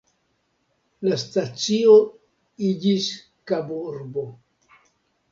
La stacio iĝis Kaburbo.